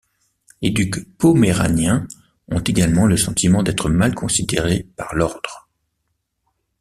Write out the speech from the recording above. Les ducs poméraniens ont également le sentiment d’être mal considéré par l’Ordre.